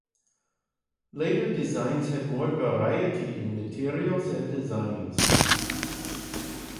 Later designs had more variety in materials and designs.